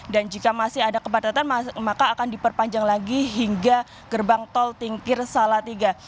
dan jika masih ada kepadatan maka akan diperpanjang lagi hingga gerbang tol tingkir salatiga